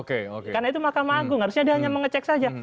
karena itu mahkamah anggung harusnya dia hanya mengecek saja